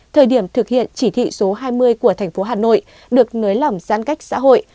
thời điểm thực hiện chỉ thị số hai mươi của thành phố hà nội được nới lỏng giãn cách xã hội